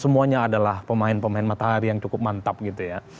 semuanya adalah pemain pemain matahari yang cukup mantap gitu ya